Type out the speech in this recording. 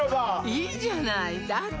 いいじゃないだって